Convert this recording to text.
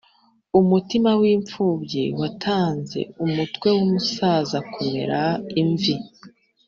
Umutima w’imfubyi watanze umutwe w’umusaza kumera imvi.